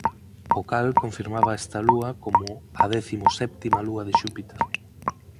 O cal confirmaba a esta lúa coma a décimo sétima lúa de Xúpiter.